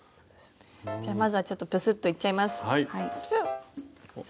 じゃまずはちょっとプスッといっちゃいます。